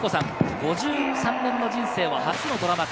５３年の人生を初のドラマ化。